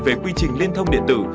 về quy trình liên thông điện tử